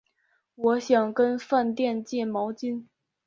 我想跟饭店借毛巾